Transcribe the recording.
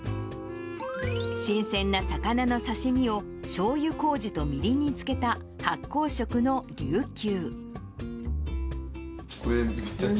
新鮮な魚の刺し身を、しょうゆこうじとみりんに漬けた発酵食のりゅうきゅう。